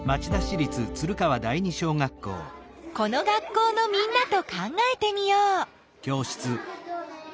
この学校のみんなと考えてみよう。